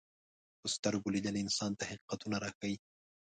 په سترګو لیدل انسان ته حقیقتونه راښيي